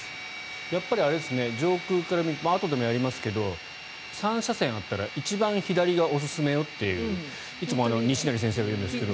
やっぱり上空から見るとあとでもやりますが３車線あったら一番左がおすすめよといういつも西成先生が言うんですけど。